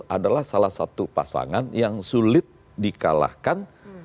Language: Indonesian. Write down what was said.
adalah salah satu pasangan yang sulit di kalahkan